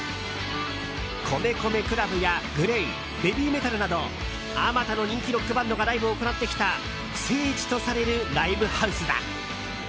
米米ＣＬＵＢやＧＬＡＹＢＡＢＹＭＥＴＡＬなどあまたの人気ロックバンドがライブを行ってきた聖地とされるライブハウスだ。